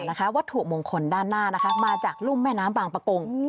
วัตถุมงคลด้านหน้านะคะมาจากรุ่มแม่น้ำบางประกง